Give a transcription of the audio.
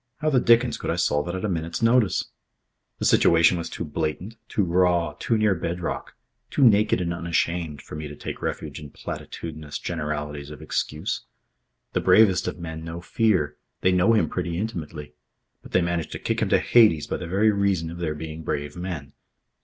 How the dickens could I solve it at a minute's notice? The situation was too blatant, too raw, too near bedrock, too naked and unashamed, for me to take refuge in platitudinous generalities of excuse. The bravest of men know Fear. They know him pretty intimately. But they manage to kick him to Hades by the very reason of their being brave men.